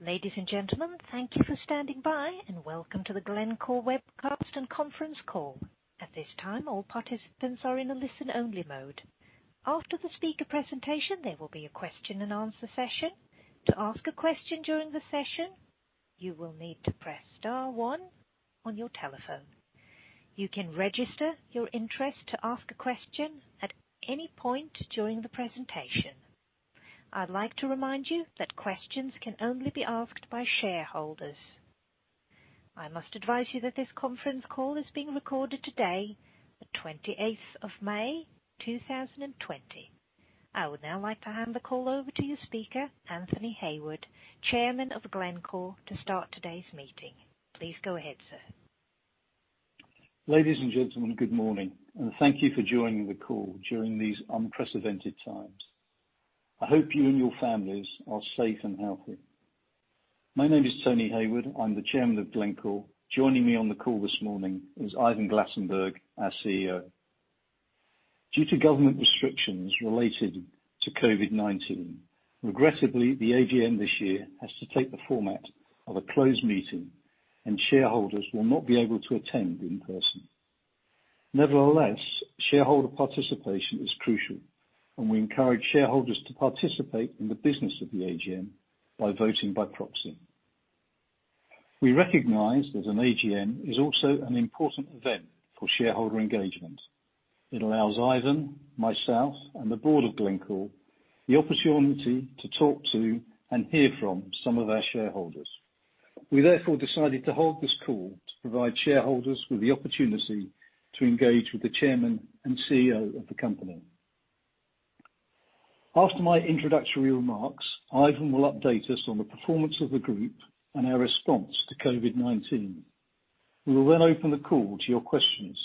Ladies and gentlemen, thank you for standing by, and welcome to the Glencore webcast and conference call. At this time, all participants are in a listen-only mode. After the speaker presentation, there will be a question and answer session. To ask a question during the session, you will need to press star one on your telephone. You can register your interest to ask a question at any point during the presentation. I'd like to remind you that questions can only be asked by shareholders. I must advise you that this conference call is being recorded today, the 28th of May, 2020. I would now like to hand the call over to your speaker, Anthony Hayward, Chairman of Glencore, to start today's meeting. Please go ahead, sir. Ladies and gentlemen, good morning, and thank you for joining the call during these unprecedented times. I hope you and your families are safe and healthy. My name is Tony Hayward. I'm the chairman of Glencore. Joining me on the call this morning is Ivan Glasenberg, our CEO. Due to government restrictions related to COVID-19, regrettably, the AGM this year has to take the format of a closed meeting, and shareholders will not be able to attend in person. Nevertheless, shareholder participation is crucial, and we encourage shareholders to participate in the business of the AGM by voting by proxy. We recognize that an AGM is also an important event for shareholder engagement. It allows Ivan, myself, and the board of Glencore the opportunity to talk to and hear from some of our shareholders. We therefore decided to hold this call to provide shareholders with the opportunity to engage with the Chairman and CEO of the company. After my introductory remarks, Ivan will update us on the performance of the group and our response to COVID-19. We will then open the call to your questions.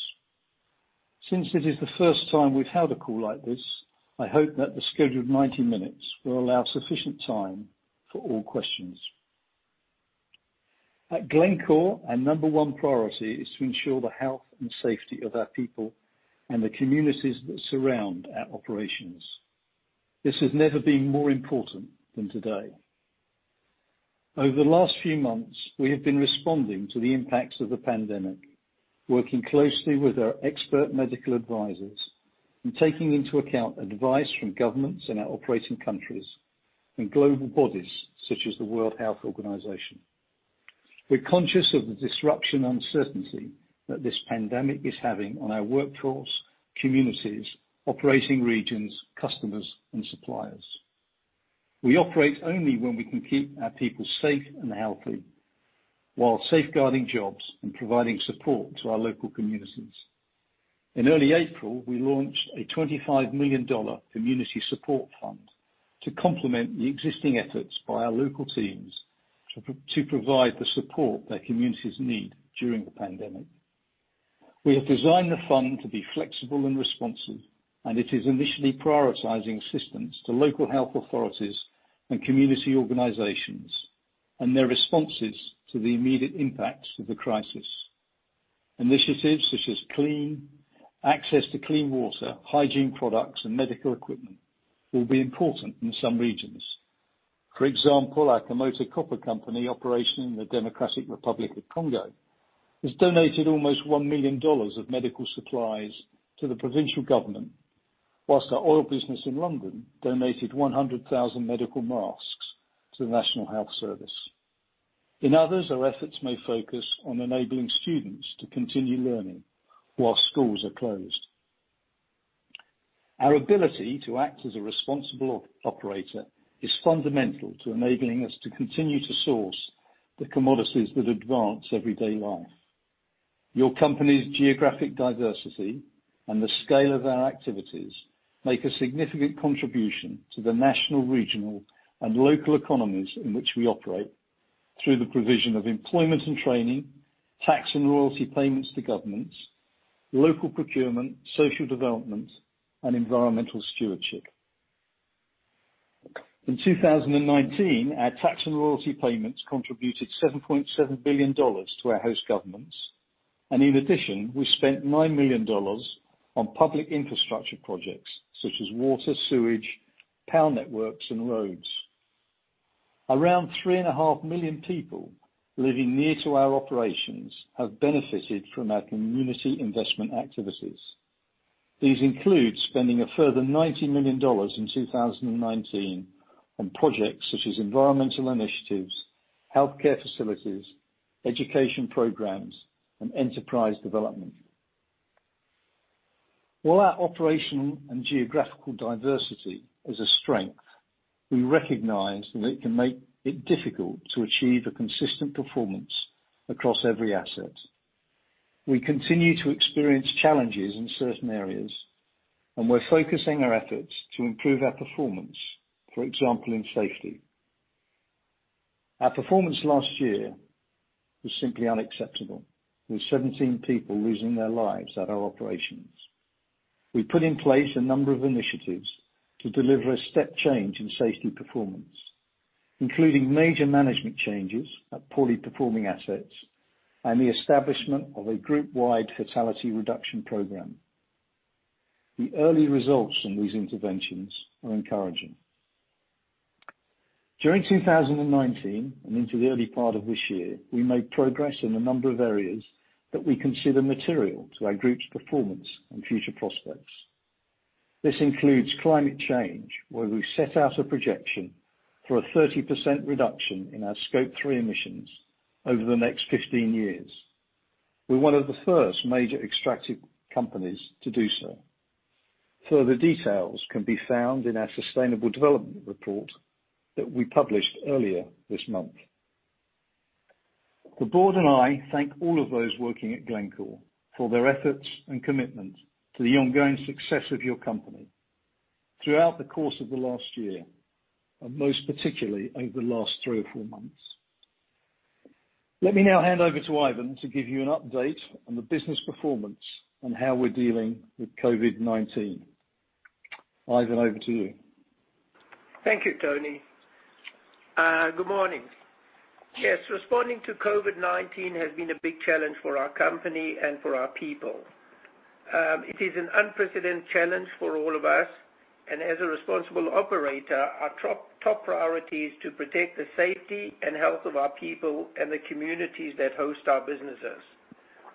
Since this is the first time we've held a call like this, I hope that the scheduled 90 minutes will allow sufficient time for all questions. At Glencore, our number one priority is to ensure the health and safety of our people and the communities that surround our operations. This has never been more important than today. Over the last few months, we have been responding to the impacts of the pandemic, working closely with our expert medical advisers and taking into account advice from governments in our operating countries and global bodies such as the World Health Organization. We're conscious of the disruption and uncertainty that this pandemic is having on our workforce, communities, operating regions, customers, and suppliers. We operate only when we can keep our people safe and healthy while safeguarding jobs and providing support to our local communities. In early April, we launched a $25 million community support fund to complement the existing efforts by our local teams to provide the support that communities need during the pandemic. It is initially prioritizing assistance to local health authorities and community organizations and their responses to the immediate impacts of the crisis. Initiatives such as access to clean water, hygiene products, and medical equipment will be important in some regions. For example, our Kamoto Copper Company operating in the Democratic Republic of Congo has donated almost $1 million of medical supplies to the provincial government, while our oil business in London donated 100,000 medical masks to the National Health Service. In others, our efforts may focus on enabling students to continue learning while schools are closed. Our ability to act as a responsible operator is fundamental to enabling us to continue to source the commodities that advance everyday life. Your company's geographic diversity and the scale of our activities make a significant contribution to the national, regional, and local economies in which we operate through the provision of employment and training, tax and royalty payments to governments, local procurement, social development, and environmental stewardship. In 2019, our tax and royalty payments contributed $7.7 billion to our host governments. In addition, we spent $9 million on public infrastructure projects such as water, sewage, power networks, and roads. Around 3.5 million people living near to our operations have benefited from our community investment activities. These include spending a further $90 million in 2019 on projects such as environmental initiatives, healthcare facilities, education programs, and enterprise development. While our operation and geographical diversity is a strength, we recognize that it can make it difficult to achieve a consistent performance across every asset. We continue to experience challenges in certain areas, and we're focusing our efforts to improve our performance, for example, in safety. Our performance last year was simply unacceptable, with 17 people losing their lives at our operations. We put in place a number of initiatives to deliver a step change in safety performance, including major management changes at poorly performing assets and the establishment of a group-wide fatality reduction program. The early results from these interventions are encouraging. During 2019 and into the early part of this year, we made progress in a number of areas that we consider material to our group's performance and future prospects. This includes climate change, where we've set out a projection for a 30% reduction in our Scope 3 emissions over the next 15 years. We're one of the first major extractive companies to do so. Further details can be found in our sustainable development report that we published earlier this month. The board and I thank all of those working at Glencore for their efforts and commitment to the ongoing success of your company throughout the course of the last year, and most particularly over the last three or four months. Let me now hand over to Ivan to give you an update on the business performance and how we're dealing with COVID-19. Ivan, over to you. Thank you, Tony. Good morning. Yes, responding to COVID-19 has been a big challenge for our company and for our people. It is an unprecedented challenge for all of us, and as a responsible operator, our top priority is to protect the safety and health of our people and the communities that host our businesses.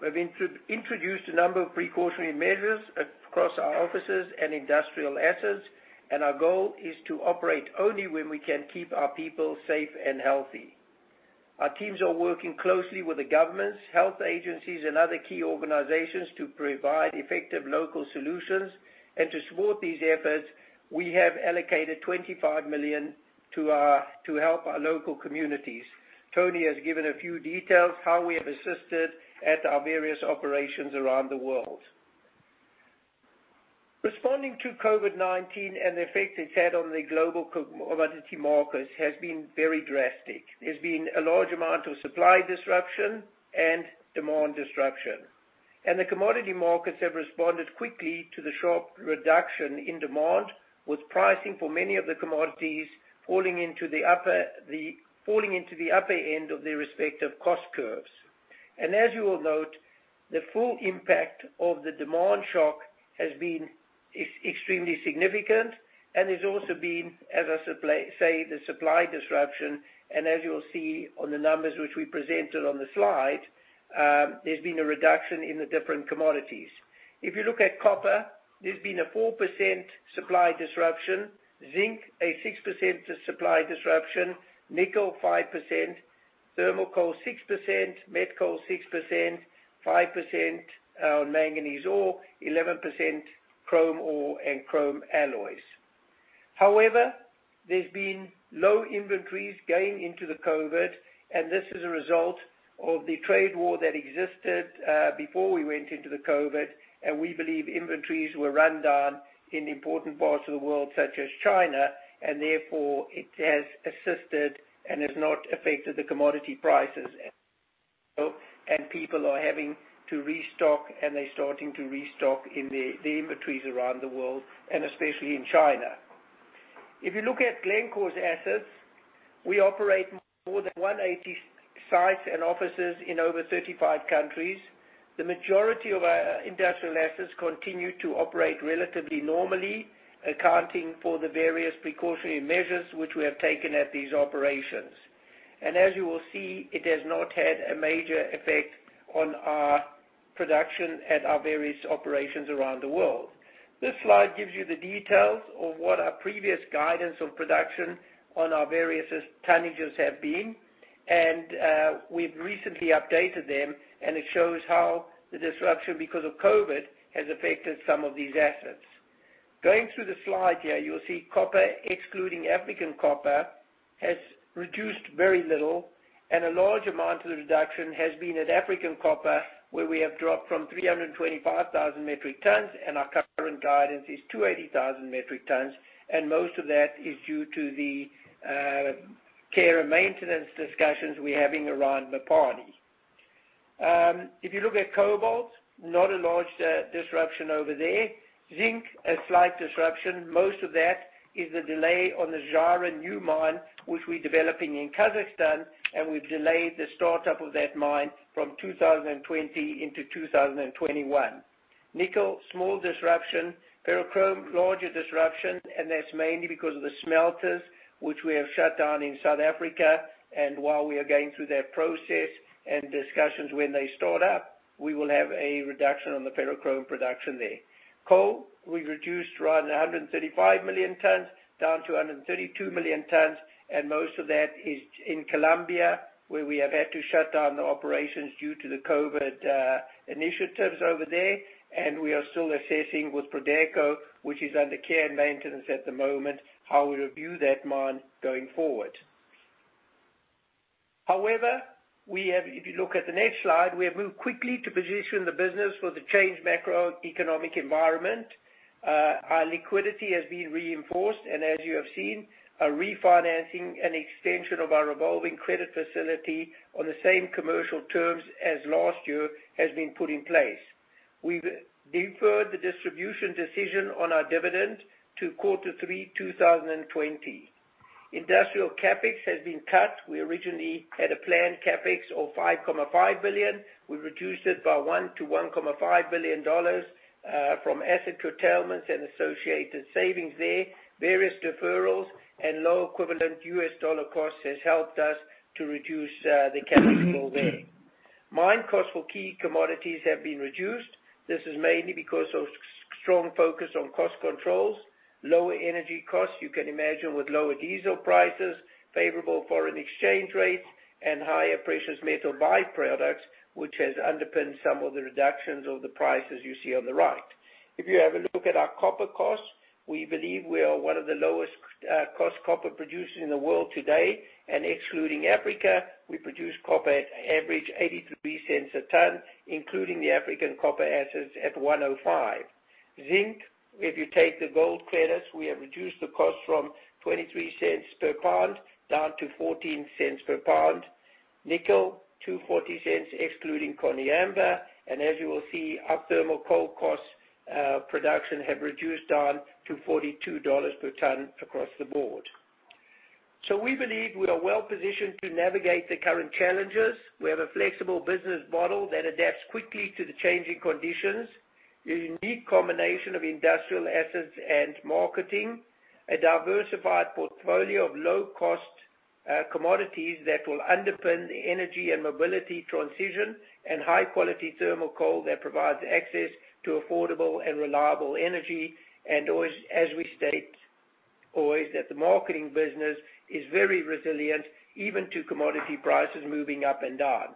We've introduced a number of precautionary measures across our offices and industrial assets, and our goal is to operate only when we can keep our people safe and healthy. Our teams are working closely with the governments, health agencies, and other key organizations to provide effective local solutions. To support these efforts, we have allocated $25 million to help our local communities. Tony has given a few details how we have assisted at our various operations around the world. Responding to COVID-19 and the effect it's had on the global commodity markets has been very drastic. There's been a large amount of supply disruption and demand disruption. The commodity markets have responded quickly to the sharp reduction in demand, with pricing for many of the commodities falling into the upper end of their respective cost curves. As you will note, the full impact of the demand shock has been extremely significant and has also been, as I say, the supply disruption. As you'll see on the numbers which we presented on the slide, there's been a reduction in the different commodities. If you look at copper, there's been a 4% supply disruption. Zinc, a 6% supply disruption, nickel 5%, thermal coal 6%, met coal 6%, 5% on manganese ore, 11% chrome ore and chrome alloys. However, there's been low inventories going into the COVID-19, and this is a result of the trade war that existed before we went into the COVID-19. We believe inventories were run down in important parts of the world such as China, and therefore, it has assisted and has not affected the commodity prices. People are having to restock, and they're starting to restock the inventories around the world, and especially in China. If you look at Glencore's assets, we operate more than 180 sites and offices in over 35 countries. The majority of our industrial assets continue to operate relatively normally, accounting for the various precautionary measures which we have taken at these operations. As you will see, it has not had a major effect on our production at our various operations around the world. This slide gives you the details of what our previous guidance on production on our various tonnages have been. We've recently updated them, and it shows how the disruption because of COVID-19 has affected some of these assets. Going through the slide here, you'll see copper, excluding African copper, has reduced very little, and a large amount of the reduction has been at African copper, where we have dropped from 325,000 metric tons, and our current guidance is 280,000 metric tons, and most of that is due to the care and maintenance discussions we're having around Mutanda. If you look at cobalt, not a large disruption over there. Zinc, a slight disruption. Most of that is the delay on the Zhairem new mine, which we're developing in Kazakhstan, and we've delayed the startup of that mine from 2020 into 2021. Nickel, small disruption. Ferrochrome, larger disruption, and that's mainly because of the smelters which we have shut down in South Africa. While we are going through that process and discussions when they start up, we will have a reduction on the ferrochrome production there. Coal, we've reduced around 135 million tons down to 132 million tons, and most of that is in Colombia, where we have had to shut down the operations due to the COVID initiatives over there. We are still assessing with Prodeco, which is under care and maintenance at the moment, how we review that mine going forward. However, if you look at the next slide, we have moved quickly to position the business for the changed macroeconomic environment. Our liquidity has been reinforced, as you have seen, a refinancing and extension of our revolving credit facility on the same commercial terms as last year has been put in place. We've deferred the distribution decision on our dividend to quarter three 2020. Industrial CapEx has been cut. We originally had a planned CapEx of $5.5 billion. We've reduced it by $1 billion-$1.5 billion from asset curtailments and associated savings there. Various deferrals and low equivalent U.S. dollar costs has helped us to reduce the capital there. Mine costs for key commodities have been reduced. This is mainly because of strong focus on cost controls, lower energy costs, you can imagine with lower diesel prices, favorable foreign exchange rates, and higher precious metal by-products, which has underpinned some of the reductions of the prices you see on the right. If you have a look at our copper costs, we believe we are one of the lowest cost copper producers in the world today, and excluding Africa, we produce copper at an average $0.83 a ton, including the African copper assets at $1.05. Zinc, if you take the gold credits, we have reduced the cost from $0.23 per pound down to $0.14 per pound. Nickel, $2.40 excluding Koniambo. As you will see, our thermal coal costs production have reduced down to $42 per ton across the board. We believe we are well-positioned to navigate the current challenges. We have a flexible business model that adapts quickly to the changing conditions, a unique combination of industrial assets and marketing, a diversified portfolio of low-cost commodities that will underpin the energy and mobility transition, and high-quality thermal coal that provides access to affordable and reliable energy. As we state always, that the marketing business is very resilient, even to commodity prices moving up and down.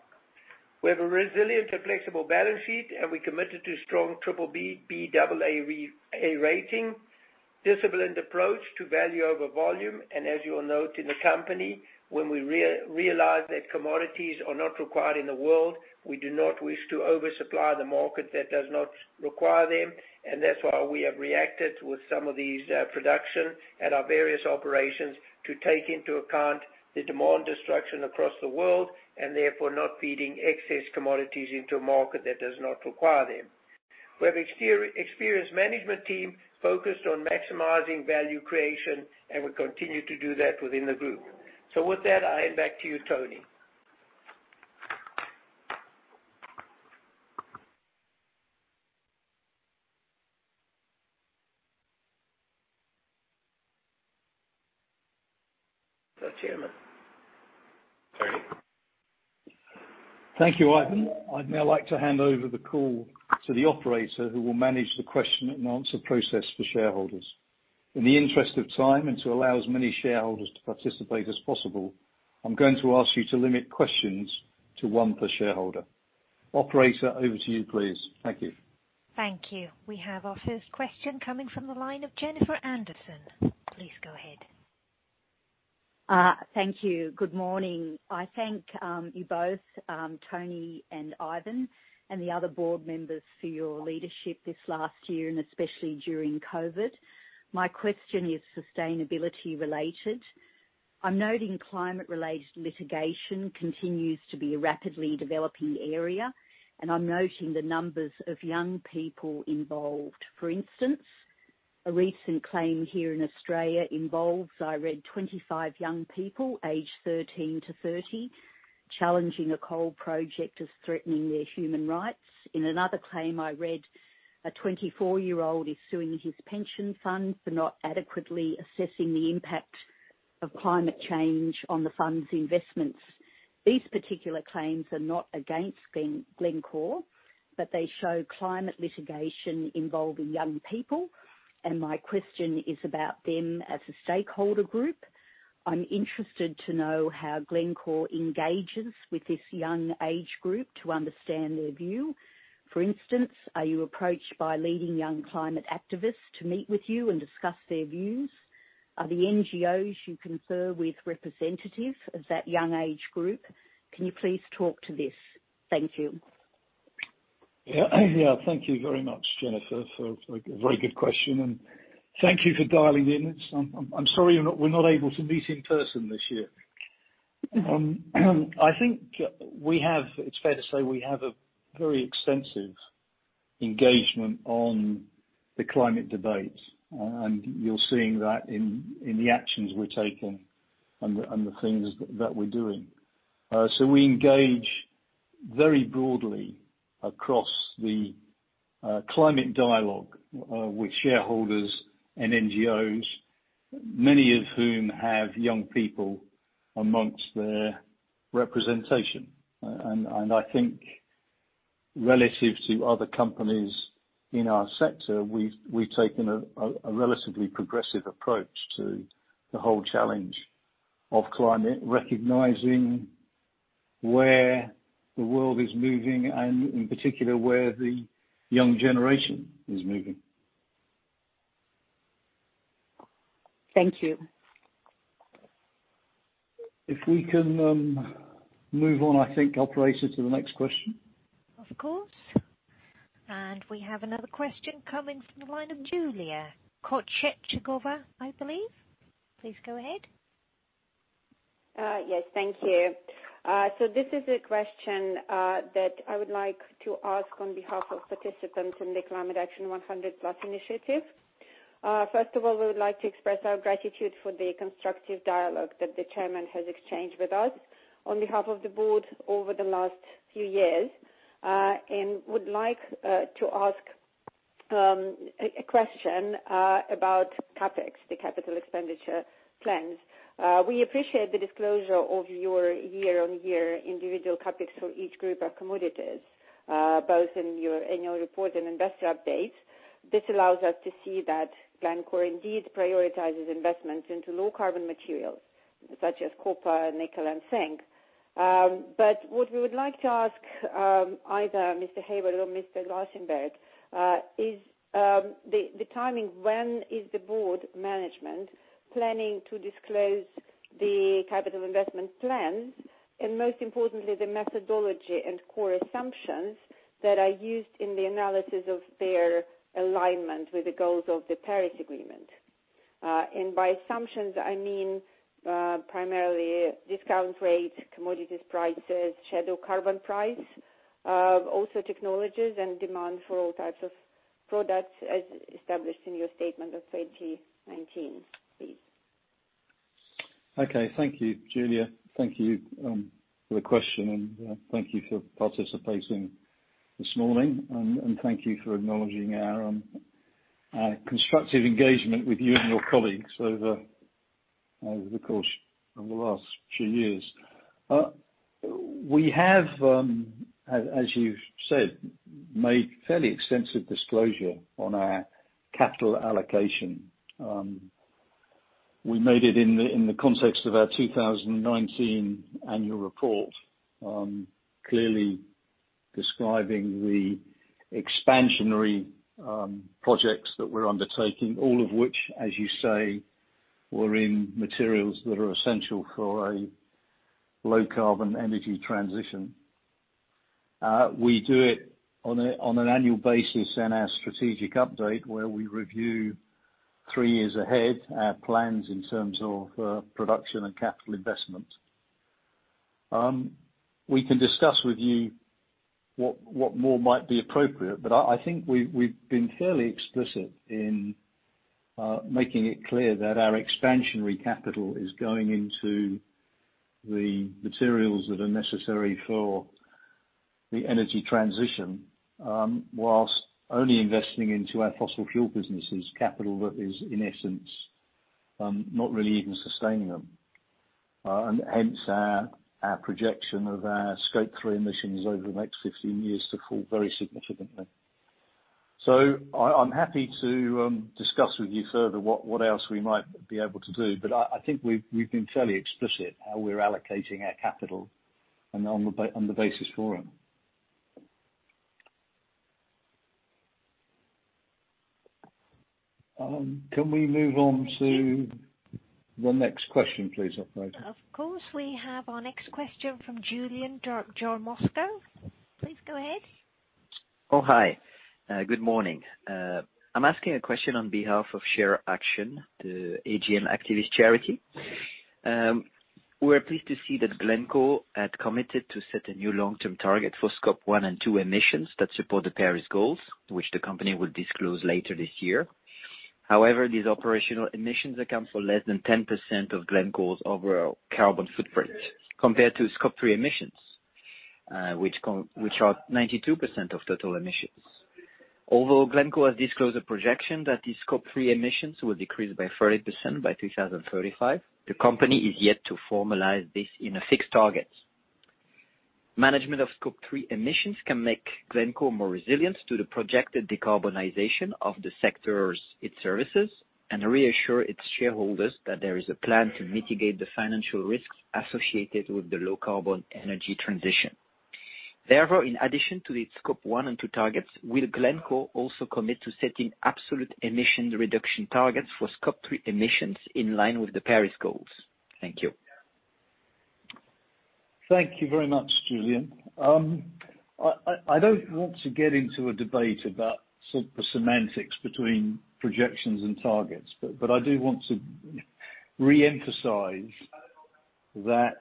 We have a resilient and flexible balance sheet, and we're committed to strong BBB/Baa rating, disciplined approach to value over volume. As you will note in the company, when we realize that commodities are not required in the world, we do not wish to oversupply the market that does not require them. That's why we have reacted with some of these production at our various operations to take into account the demand destruction across the world, and therefore not feeding excess commodities into a market that does not require them. We have experienced management team focused on maximizing value creation, and we continue to do that within the group. With that, I hand back to you, Tony. The Chairman. Tony. Thank you, Ivan. I'd now like to hand over the call to the operator who will manage the question and answer process for shareholders. In the interest of time, and to allow as many shareholders to participate as possible, I'm going to ask you to limit questions to one per shareholder. Operator, over to you, please. Thank you. Thank you. We have our first question coming from the line of Jennifer Anderson. Please go ahead. Thank you. Good morning. I thank you both, Tony and Ivan, and the other board members for your leadership this last year, and especially during COVID. My question is sustainability related. I'm noting climate-related litigation continues to be a rapidly developing area, and I'm noting the numbers of young people involved. For instance, a recent claim here in Australia involves, I read, 25 young people aged 13 to 30, challenging a coal project as threatening their human rights. In another claim, I read a 24-year-old is suing his pension fund for not adequately assessing the impact of climate change on the fund's investments. These particular claims are not against Glencore, but they show climate litigation involving young people, and my question is about them as a stakeholder group. I'm interested to know how Glencore engages with this young age group to understand their view. For instance, are you approached by leading young climate activists to meet with you and discuss their views? Are the NGOs you confer with representative of that young age group? Can you please talk to this? Thank you. Yeah. Thank you very much, Jennifer, for a very good question, and thank you for dialing in. I'm sorry we're not able to meet in person this year. I think it's fair to say we have a very extensive engagement on the climate debate, and you're seeing that in the actions we're taking and the things that we're doing. We engage very broadly across the climate dialogue with shareholders and NGOs, many of whom have young people amongst their representation. I think relative to other companies in our sector, we've taken a relatively progressive approach to the whole challenge of climate, recognizing where the world is moving and in particular, where the young generation is moving. Thank you. If we can move on, I think, operator, to the next question. Of course. We have another question coming from the line of Julia Kochetygova, I believe. Please go ahead. Yes. Thank you. This is a question that I would like to ask on behalf of participants in the Climate Action 100+ initiative. First of all, we would like to express our gratitude for the constructive dialogue that the chairman has exchanged with us on behalf of the board over the last few years. Would like to ask a question about CapEx, the capital expenditure plans. We appreciate the disclosure of your year-on-year individual CapEx for each group of commodities, both in your annual report and investor updates. This allows us to see that Glencore indeed prioritizes investments into low-carbon materials such as copper, nickel, and zinc. What we would like to ask, either Mr. Hayward or Mr. Glasenberg, is the timing. When is the board management planning to disclose the capital investment plans, and most importantly, the methodology and core assumptions that are used in the analysis of their alignment with the goals of the Paris Agreement? By assumptions, I mean, primarily discount rates, commodities prices, shadow carbon price, also technologies and demand for all types of products as established in your statement of 2019, please. Okay. Thank you, Julia. Thank you for the question, and thank you for participating this morning, and thank you for acknowledging our constructive engagement with you and your colleagues over the course of the last few years. We have, as you've said, made fairly extensive disclosure on our capital allocation. We made it in the context of our 2019 annual report, clearly describing the expansionary projects that we're undertaking, all of which, as you say, were in materials that are essential for a low-carbon energy transition. We do it on an annual basis in our strategic update, where we review three years ahead our plans in terms of production and capital investment. We can discuss with you what more might be appropriate, but I think we've been fairly explicit in making it clear that our expansionary capital is going into the materials that are necessary for the energy transition, whilst only investing into our fossil fuel businesses capital that is, in essence, not really even sustaining them. Hence, our projection of our Scope 3 emissions over the next 15 years to fall very significantly. I'm happy to discuss with you further what else we might be able to do. I think we've been fairly explicit how we're allocating our capital and on the basis for them. Can we move on to the next question, please, operator? Of course. We have our next question from Julian Gormosco. Please go ahead. Oh, hi. Good morning. I'm asking a question on behalf of ShareAction, the AGM activist charity. We're pleased to see that Glencore had committed to set a new long-term target for Scope 1 and 2 emissions that support the Paris goals, which the company will disclose later this year. These operational emissions account for less than 10% of Glencore's overall carbon footprint compared to Scope 3 emissions, which are 92% of total emissions. Although Glencore has disclosed a projection that the Scope 3 emissions will decrease by 30% by 2035, the company is yet to formalize this in a fixed target. Management of Scope 3 emissions can make Glencore more resilient to the projected decarbonization of the sectors it services and reassure its shareholders that there is a plan to mitigate the financial risks associated with the low-carbon energy transition. In addition to its Scope 1 and 2 targets, will Glencore also commit to setting absolute emission reduction targets for Scope 3 emissions in line with the Paris goals? Thank you. Thank you very much, Julian. I don't want to get into a debate about the semantics between projections and targets, but I do want to reemphasize that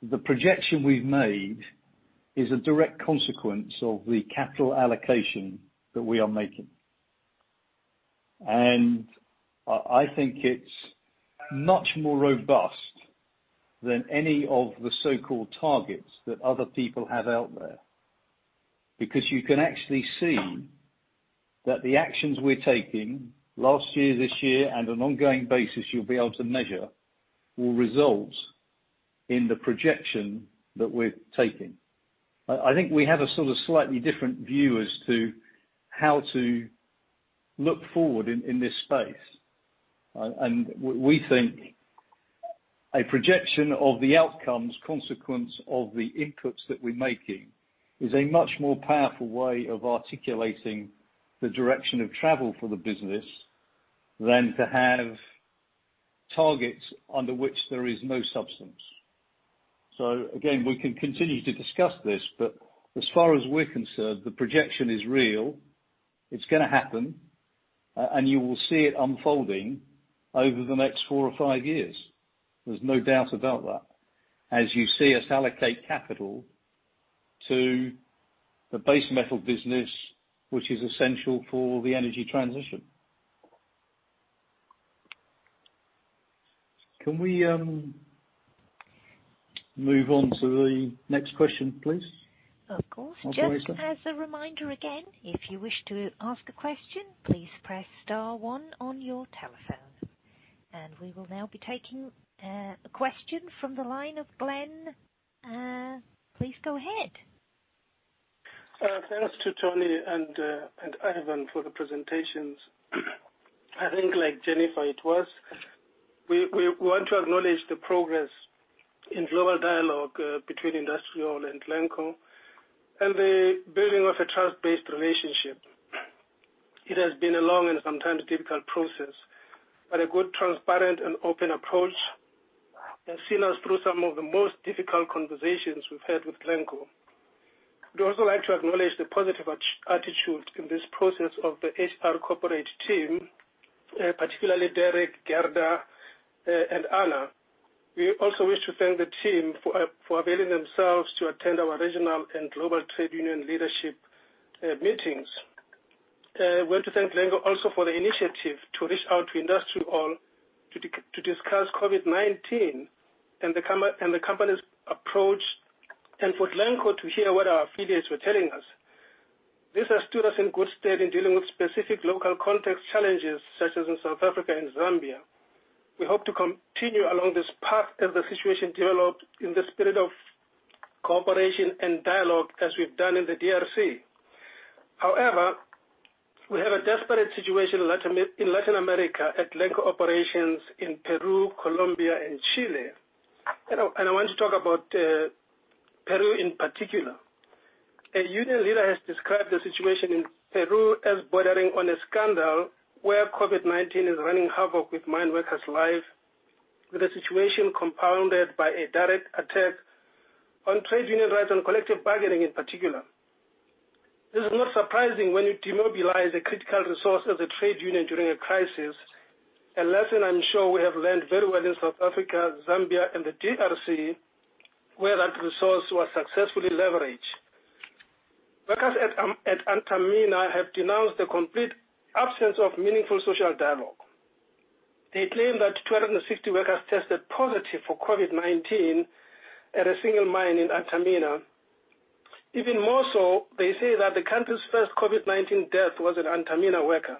the projection we've made is a direct consequence of the capital allocation that we are making. I think it's much more robust than any of the so-called targets that other people have out there. You can actually see that the actions we're taking last year, this year, and an ongoing basis you'll be able to measure, will result in the projection that we're taking. I think we have a sort of slightly different view as to how to look forward in this space. We think a projection of the outcomes consequence of the inputs that we're making is a much more powerful way of articulating the direction of travel for the business than to have targets under which there is no substance. Again, we can continue to discuss this, but as far as we're concerned, the projection is real. It's going to happen, and you will see it unfolding over the next four or five years. There's no doubt about that. As you see us allocate capital to the base metal business, which is essential for the energy transition. Can we move on to the next question, please? Of course. Operator. Just as a reminder again, if you wish to ask a question, please press star one on your telephone. We will now be taking a question from the line of Glenn. Please go ahead. Thanks to Tony and Ivan for the presentations. We want to acknowledge the progress in global dialogue between IndustriALL and Glencore, and the building of a trust-based relationship. It has been a long and sometimes difficult process, but a good transparent and open approach has seen us through some of the most difficult conversations we've had with Glencore. We'd also like to acknowledge the positive attitude in this process of the HR corporate team, particularly Derek, Gerda, and Anna. We also wish to thank the team for availing themselves to attend our regional and global trade union leadership meetings. We want to thank Glencore also for the initiative to reach out to IndustriALL to discuss COVID-19 and the company's approach, and for Glencore to hear what our affiliates were telling us. This has stood us in good stead in dealing with specific local context challenges, such as in South Africa and Zambia. We hope to continue along this path as the situation develops in the spirit of cooperation and dialogue as we've done in the DRC. However, we have a desperate situation in Latin America at Glencore operations in Peru, Colombia, and Chile. I want to talk about Peru in particular. A union leader has described the situation in Peru as bordering on a scandal where COVID-19 is running havoc with mine workers' life, with a situation compounded by a direct attack on trade union rights and collective bargaining in particular. This is not surprising when you demobilize a critical resource as a trade union during a crisis, a lesson I'm sure we have learned very well in South Africa, Zambia, and the DRC, where that resource was successfully leveraged. Workers at Antamina have denounced the complete absence of meaningful social dialogue. They claim that 260 workers tested positive for COVID-19 at a single mine in Antamina. Even more so, they say that the country's first COVID-19 death was an Antamina worker.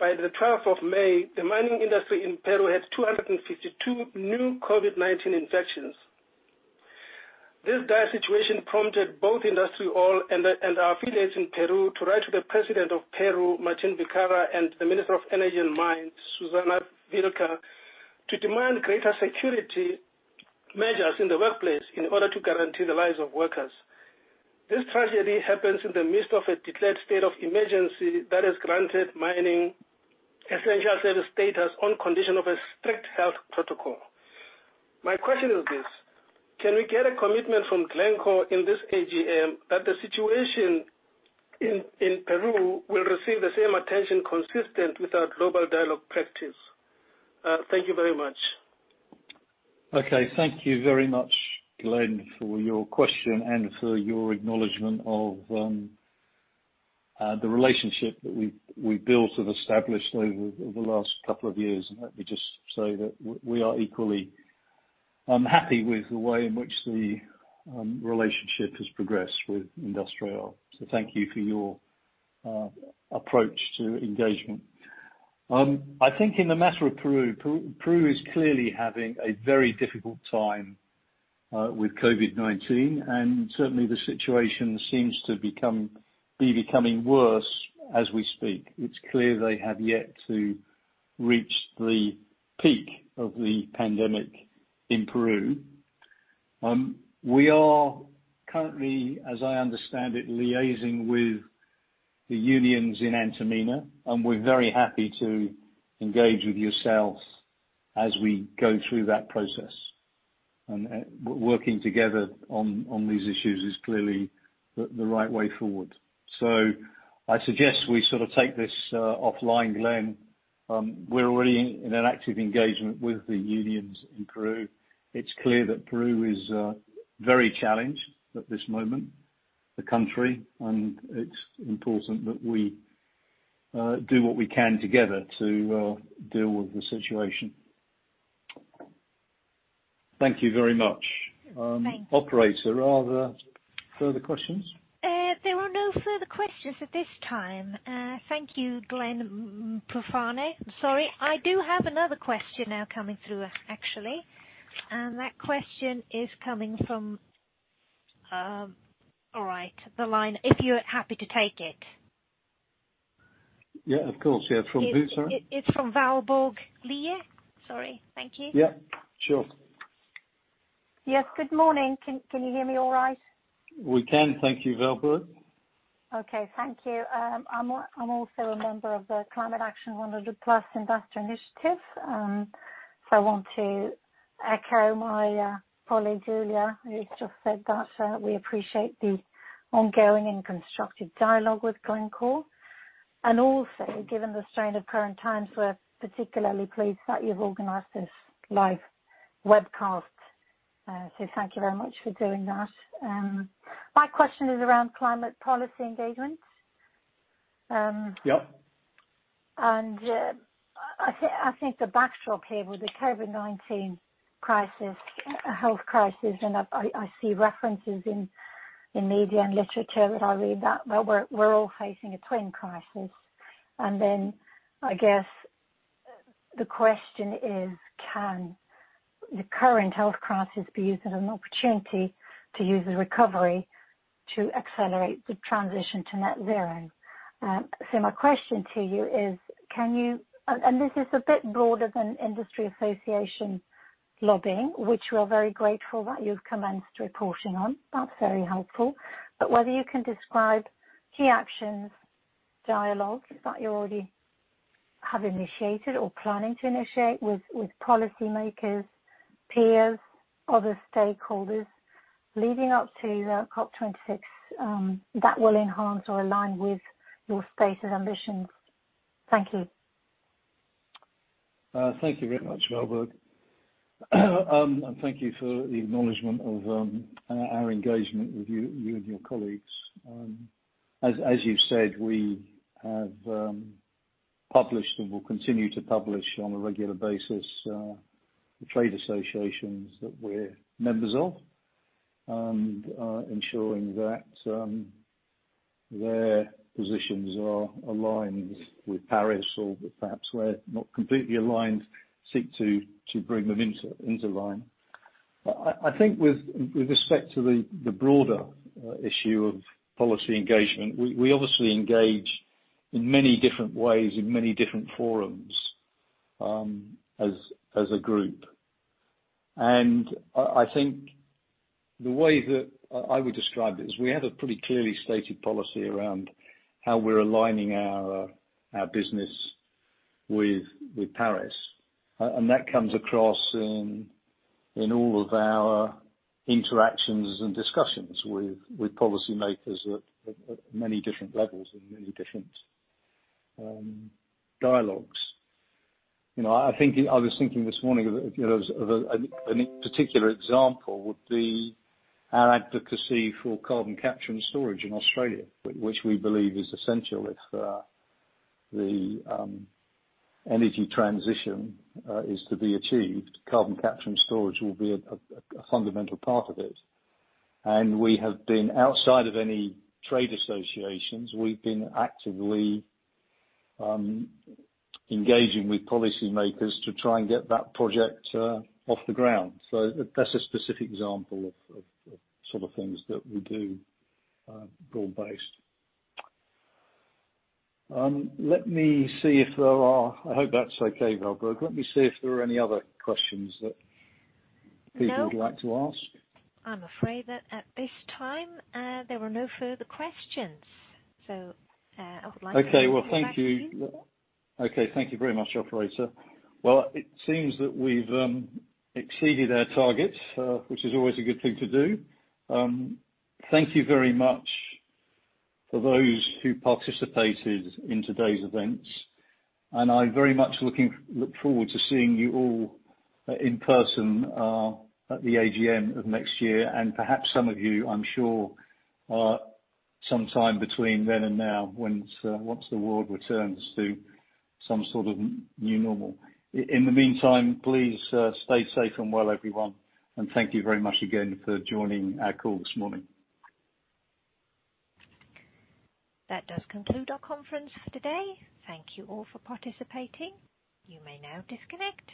By the 12th of May, the mining industry in Peru had 252 new COVID-19 infections. This dire situation prompted both IndustriALL and our affiliates in Peru to write to the President of Peru, Martín Vizcarra, and the Minister of Energy and Mines, Susana Vilca, to demand greater security measures in the workplace in order to guarantee the lives of workers. This tragedy happens in the midst of a declared state of emergency that has granted mining essential service status on condition of a strict health protocol. My question is this: can we get a commitment from Glencore in this AGM that the situation in Peru will receive the same attention consistent with our global dialogue practice? Thank you very much. Okay. Thank you very much, Glenn, for your question and for your acknowledgment of the relationship that we've built and established over the last couple of years. Let me just say that we are equally happy with the way in which the relationship has progressed with IndustriALL. Thank you for your approach to engagement. I think in the matter of Peru is clearly having a very difficult time with COVID-19, and certainly the situation seems to be becoming worse as we speak. It's clear they have yet to reach the peak of the pandemic in Peru. We are currently, as I understand it, liaising with the unions in Antamina, and we're very happy to engage with yourselves as we go through that process. Working together on these issues is clearly the right way forward. I suggest we sort of take this offline, Glenn. We're already in an active engagement with the unions in Peru. It's clear that Peru is very challenged at this moment, the country, and it's important that we do what we can together to deal with the situation. Thank you very much. Thanks. Operator, are there further questions? There are no further questions at this time. Thank you, Glenn Profane. Sorry. I do have another question now coming through, actually. That question is coming from All right. The line, if you're happy to take it. Yeah, of course. Yeah. From who, sorry? It's from Valborg Lie. Sorry. Thank you. Yeah. Sure. Yes. Good morning. Can you hear me all right? We can. Thank you, Valborg. Okay, thank you. I'm also a member of the Climate Action 100+ investor initiative. I want to echo my colleague, Julia, who's just said that we appreciate the ongoing and constructive dialogue with Glencore. Given the strain of current times, we're particularly pleased that you've organized this live webcast. Thank you very much for doing that. My question is around climate policy engagement. Yep. I think the backdrop here with the COVID-19 health crisis, I see references in media and literature that I read that we're all facing a twin crisis. I guess, the question is, can the current health crisis be used as an opportunity to use the recovery to accelerate the transition to net zero? My question to you is, this is a bit broader than industry association lobbying, which we're very grateful that you've commenced reporting on. That's very helpful. Whether you can describe key actions, dialogues that you already have initiated or planning to initiate with policymakers, peers, other stakeholders, leading up to the COP26, that will enhance or align with your stated ambitions. Thank you. Thank you very much, Valborg. Thank you for the acknowledgement of our engagement with you and your colleagues. As you've said, we have published and will continue to publish on a regular basis the trade associations that we're members of and ensuring that their positions are aligned with Paris or perhaps where not completely aligned, seek to bring them into line. I think with respect to the broader issue of policy engagement, we obviously engage in many different ways in many different forums as a group. I think the way that I would describe it is we have a pretty clearly stated policy around how we're aligning our business with Paris, and that comes across in all of our interactions and discussions with policymakers at many different levels and many different dialogues. I was thinking this morning of a particular example would be our advocacy for carbon capture and storage in Australia, which we believe is essential if the energy transition is to be achieved. Carbon capture and storage will be a fundamental part of it. We have been outside of any trade associations. We've been actively engaging with policymakers to try and get that project off the ground. That's a specific example of sort of things that we do broad-based. I hope that's okay, Valborg. Let me see if there are any other questions that people would like to ask. I'm afraid that at this time there were no further questions. I would like to hand it back to you. Okay. Thank you very much, operator. Well, it seems that we've exceeded our target, which is always a good thing to do. Thank you very much for those who participated in today's events. I very much look forward to seeing you all in person at the AGM of next year and perhaps some of you, I'm sure, sometime between then and now once the world returns to some sort of new normal. In the meantime, please stay safe and well, everyone, and thank you very much again for joining our call this morning. That does conclude our conference for today. Thank you all for participating. You may now disconnect.